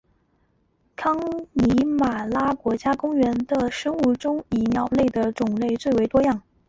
康尼玛拉国家公园的生物中以鸟类的种类最为多样。